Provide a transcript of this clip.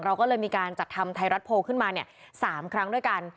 เราก็เลยมีการจัดทำไทยรัฐโพลขึ้นมา๓ครั้งด้วยกัน